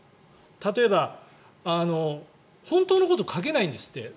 例えば、本当のことを書けないんですって。